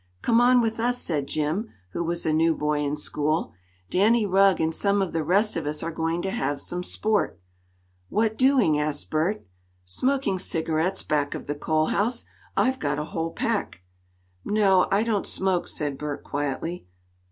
"Come on with us," said Jim, who was a new boy in school. "Danny Rugg and some of the rest of us are going to have some sport." "What doing?" asked Bert. "Smoking cigarettes back of the coal house. I've got a whole pack." "No; I don't smoke," said Bert quietly.